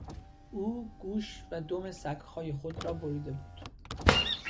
او گوش و دم سگهای خود را بریده بود.